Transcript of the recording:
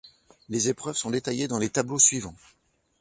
Les épreuves sont détaillées dans les tableaux suivants.